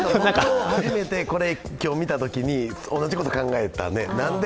初めて今日見たときに、同じこと考えたね。